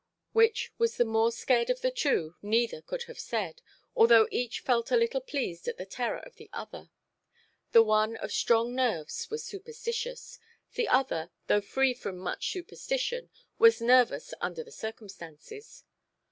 Which was the more scared of the two, neither could have said; although each felt a little pleased at the terror of the other. The one of strong nerves was superstitious; the other, though free from much superstition, was nervous under the circumstances.